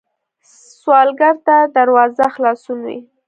سوالګر ته دروازه خلاصون وي